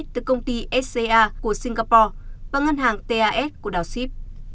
từ công ty sca của singapore và ngân hàng tas của đảo sip